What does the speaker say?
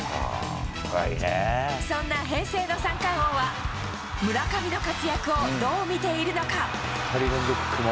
そんな平成の三冠王は、村上の活躍をどう見ているのか。